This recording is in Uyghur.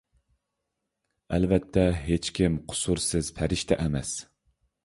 ئەلۋەتتە، ھېچكىم قۇسۇرسىز پەرىشتە ئەمەس.